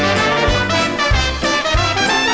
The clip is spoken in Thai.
โอ้โห